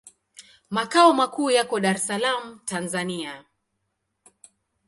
Makao makuu yako Dar es Salaam, Tanzania.